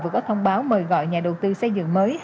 vừa có thông báo mời gọi nhà đầu tư xây dựng mới